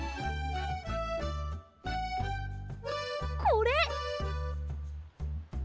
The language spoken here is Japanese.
これ！